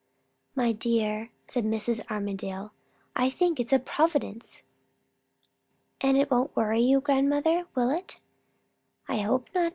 "My dear," said Mrs. Armadale, "I think it's a providence!" "And it won't worry you, grandmother, will it?" "I hope not.